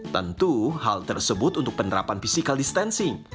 tentu hal tersebut untuk penerapan physical distancing